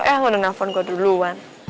eh lo udah telfon gue duluan